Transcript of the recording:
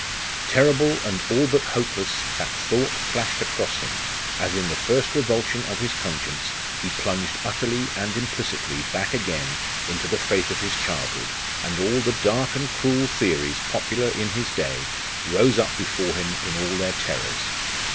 Terrible and all but hopeless that thought flashed across him, as in the first revulsion of his conscience he plunged utterly and implicitly back again into the faith of his childhood, and all the dark and cruel theories popular in his day rose up before him in all their terrors.